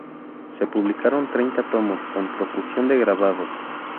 Se publicaron treinta tomos, con profusión de grabados.